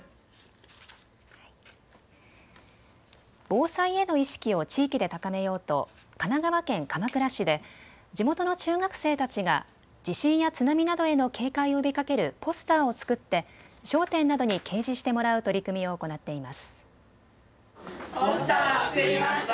防災への意識を地域で高めようと神奈川県鎌倉市で地元の中学生たちが地震や津波などへの警戒を呼びかけるポスターを作って商店などに掲示してもらう取り組みを行っています。